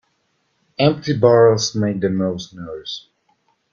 Empty barrels make the most noise.